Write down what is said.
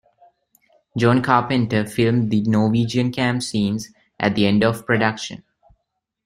John Carpenter filmed the Norwegian camp scenes at the end of production.